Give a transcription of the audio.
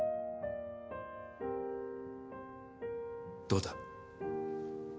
どうだ？